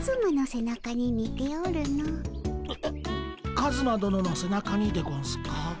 カズマ殿のせなかにでゴンスか？